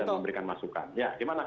dan memberikan masukan